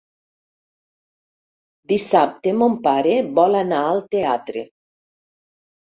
Dissabte mon pare vol anar al teatre.